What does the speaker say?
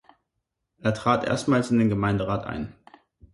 Er trat erstmals in den Gemeinderat ein.